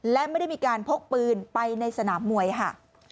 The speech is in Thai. และไม่ได้มีการพกปืนไปในสนามมวยค่ะ